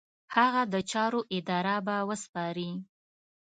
هغه د چارو اداره به وسپاري.